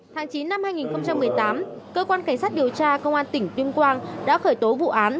tháng chín năm hai nghìn một mươi tám cơ quan cảnh sát điều tra công an tỉnh tuyên quang đã khởi tố vụ án